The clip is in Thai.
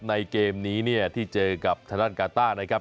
ในเกมนี้เนี่ยที่เจอกับธนาคารกาต้านะครับ